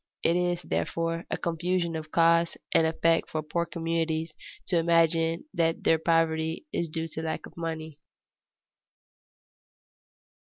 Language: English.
It is, therefore, a confusion of cause and effect for poor communities to imagine that their poverty is due to lack of money.